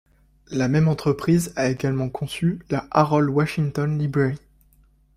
La même entreprise a également conçu la Harold Washington Library.